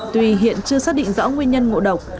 tuy hiện chưa xác định rõ nguyên nhân ngộ độc